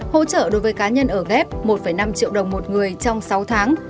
hỗ trợ đối với cá nhân ở ghép một năm triệu đồng một người trong sáu tháng